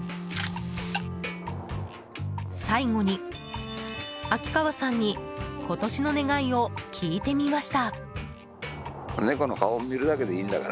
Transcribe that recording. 最後に、秋川さんに今年の願いを聞いてみました。